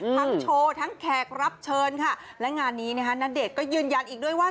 โชว์ทั้งแขกรับเชิญค่ะและงานนี้นะคะณเดชน์ก็ยืนยันอีกด้วยว่า